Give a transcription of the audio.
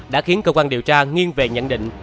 đã khiến cơ quan điều tra nghiêng về nhận định